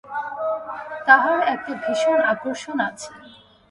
তাহারও একটা ভীষণ আকর্ষণ আছে।